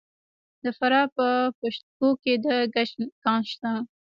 د فراه په پشت کوه کې د ګچ کان شته.